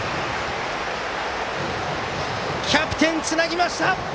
キャプテン、つなぎました！